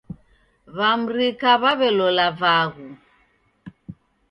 W'amrika w'aw'elola vaghu